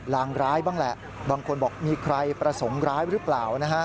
รางร้ายบ้างแหละบางคนบอกมีใครประสงค์ร้ายหรือเปล่านะฮะ